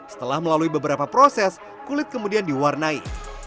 setelah melalui beberapa proses kulit kemudian diwarnai